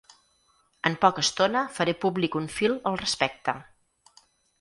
En poca estona faré públic un fil al respecte.